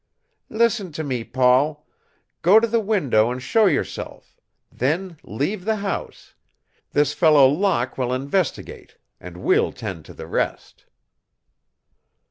"Listen to me, Paul. Go to the window and show yourself. Then leave the house. This fellow Locke will investigate and we'll tend to the rest."